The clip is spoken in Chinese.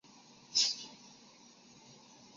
先前发出的光首先到达观察者。